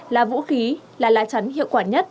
là vũ khí là lá chắn hiệu quả nhất